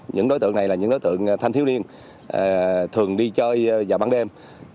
những đối tượng này là những đối tượng thanh thiếu niên thường đi chơi vào ban đêm